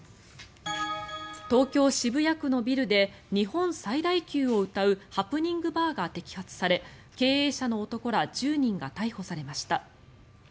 東京・渋谷区のビルで日本最大級をうたうハプニングバーが摘発され経営者の男ら１０人が逮捕されました。